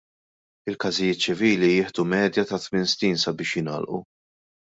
Il-każijiet ċivili jieħdu medja ta' tmien snin sabiex jingħalqu.